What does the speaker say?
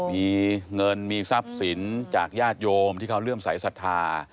มีเงินมีทรัพย์สินจากญาติโยมที่เขาเลื่อมสายศรัทธา